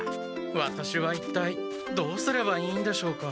ワタシは一体どうすればいいんでしょうか？